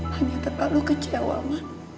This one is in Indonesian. hanya terlalu kecewaman